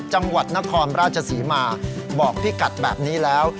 จังหวัดนครราชศรีมาบอกพี่กัดแบบนี้แล้ว